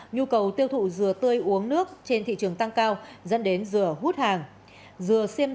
nhu cầu tiêu thụ rửa tươi uống nước trên thị trường tăng cao dẫn đến rửa hút hàng